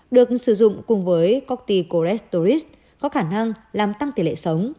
được sử dụng cùng với corticosteroids có khả năng làm tăng tỷ lệ sống